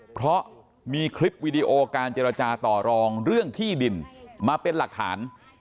เพราะมีคลิปวีดีโอการเจรจาต่อรองเรื่องที่ดินมาเป็นหลักฐาน